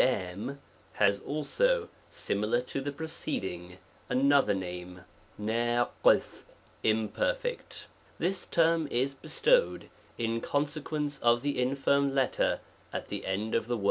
The itfjwfc'/o has also, similar to the preceding, another name, y^5 U imperfect, This term is bestowed, in consequence of the infirm letter at the end of the.